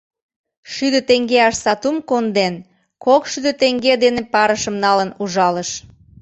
Шӱдӧ теҥгеаш сатум конден, кок шӱдӧ теҥге дене парышым налын ужалыш.